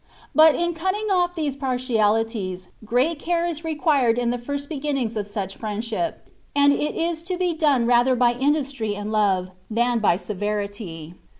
But in cutting off these partialities, great care is required in the first beginnings of such friend ship, and it is to be done rather by industry and c2 20 THE WAY OP PERFECTION. love, than by severity.